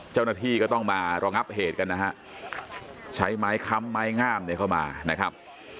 เจ้าหน้าที่ก็ต้องมาระงับเหตุกันนะฮะใช้ไม้ค้ำไม้งามเนี่ยเข้ามานะครับ